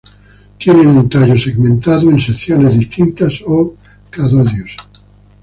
Tienen un tallo segmentado en secciones distintas o cladodios.